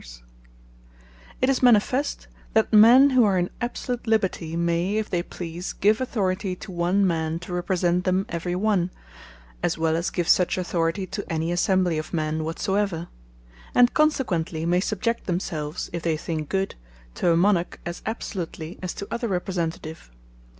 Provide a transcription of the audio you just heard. Subordinate Representatives Dangerous It is manifest, that men who are in absolute liberty, may, if they please, give Authority to One Man, to represent them every one; as well as give such Authority to any Assembly of men whatsoever; and consequently may subject themselves, if they think good, to a Monarch, as absolutely, as to any other Representative.